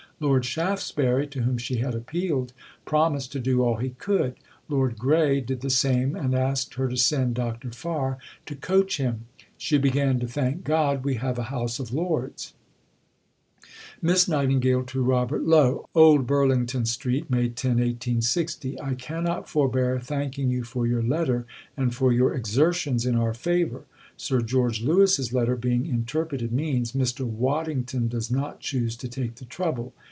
Lord Shaftesbury, to whom she had appealed, promised to do all he could. Lord Grey did the same, and asked her to send Dr. Farr to coach him. She began to "thank God we have a House of Lords": (Miss Nightingale to Robert Lowe.) OLD BURLINGTON ST., May 10 . I cannot forbear thanking you for your letter and for your exertions in our favour. Sir George Lewis's letter, being interpreted, means: "Mr. Waddington does not choose to take the trouble."